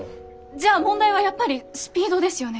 じゃあ問題はやっぱりスピードですよね。